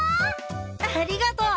ありがとう！